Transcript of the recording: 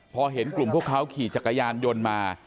พอเห็นกลุ่มพวกเขาขี่จักรยานยนต์มา